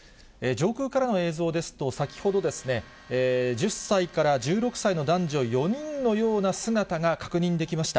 上空からの映像ですと、先ほどですね、１０歳から１６歳の男女４人のような姿が確認できました。